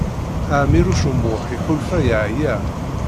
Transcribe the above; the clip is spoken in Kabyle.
Ɛmiṛuc U Muḥ iḥulfa yeɛya.